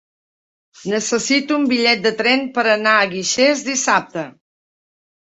Necessito un bitllet de tren per anar a Guixers dissabte.